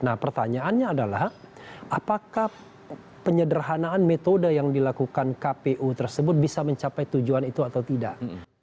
nah pertanyaannya adalah apakah penyederhanaan metode yang dilakukan kpu tersebut bisa mencapai tujuan itu atau tidak